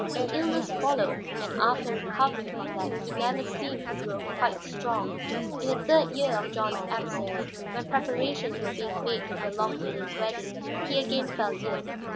An illness followed, and after recovering from that he never seemed to grow quite strong. In the third year of John's absence, when preparations were being made for the long delayed wedding, he again fell ill.